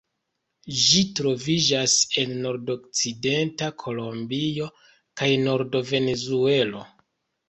Ĝi troviĝas en nordokcidenta Kolombio kaj norda Venezuelo.